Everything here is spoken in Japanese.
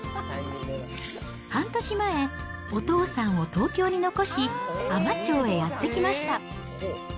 半年前、お父さんを東京に残し、海士町へやって来ました。